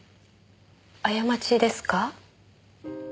過ちですか？